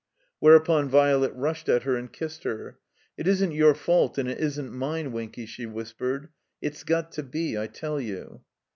Whereupon Violet rushed at her and kissed her. "It isn't your fault, and it isn't mine, Winky," she whispered. "It's got to be, I tell you."